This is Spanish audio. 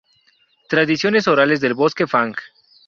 Tradiciones orales del Bosque Fang.